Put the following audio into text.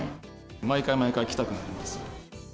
毎回毎回来たくなります。